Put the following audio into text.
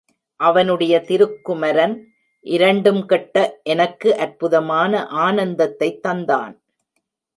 அவனுடைய திருக்குமரன் இரண்டும் கெட்ட எனக்கு அற்புதமான ஆனந்தத்தைத் தந்தான்.